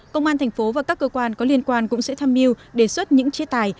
công an thành phố và các cơ quan có liên quan cũng sẽ tham mưu đề xuất những chế tài